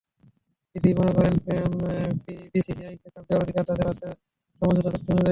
PCB মনে করে, বিসিসিআইকে চাপ দেওয়ার অধিকার তাদের আছে সমঝোতা চুক্তি অনুযায়ী।